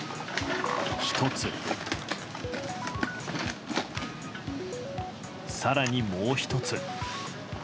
１つ、更にもう１つ。